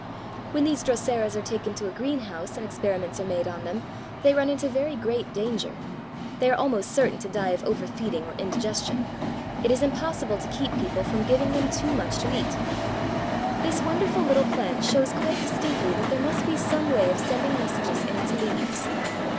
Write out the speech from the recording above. When these Droseras are taken to a greenhouse and experiments are made on them, they run into very great danger. They are almost certain to die of overfeeding or indigestion. It is impossible to keep people from giving them too much to eat. This wonderful little plant shows quite distinctly that there must be some way of sending messages in its leaves.